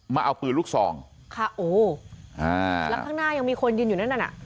มาเอาปืนลูกซองค่ะโอ้อ่าแล้วข้างหน้ายังมีคนยืนอยู่นั่นนั่นอ่ะ